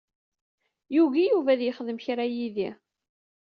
Yugi Yuba ad yexdem kra yid-i.